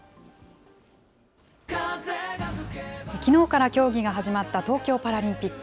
きのうから競技が始まった東京パラリンピック。